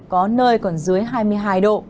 có nơi còn dưới hai mươi hai độ